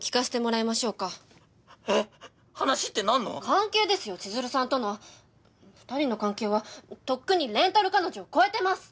関係ですよ千鶴さんとの！２人の関係はとっくにレンタル彼女を超えてます！